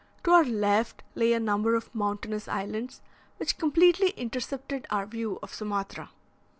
To our left lay a number of mountainous islands, which completely intercepted our view of Sumatra.